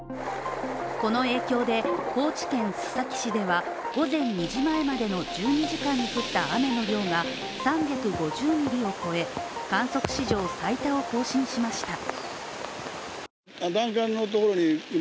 この影響で、高知県須崎市では午前２時前までの１２時間に降った雨の量が３５０ミリを超え観測史上最多を更新しました。